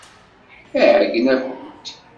Iɛeyyen-akent.